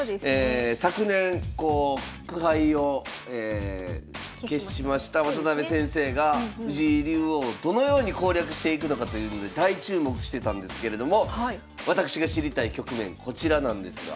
昨年苦杯を喫しました渡辺先生が藤井竜王をどのように攻略していくのかというので大注目してたんですけれども私が知りたい局面こちらなんですが。